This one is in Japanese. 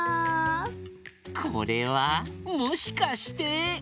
これはもしかして。